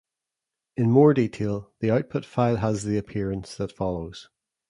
In more detail, the output file has the appearance that follows.